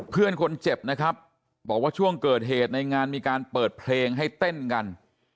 เพื่อนคนเจ็บนะครับบอกว่าช่วงเกิดเหตุในงานมีการเปิดเพลงให้เต้นกัน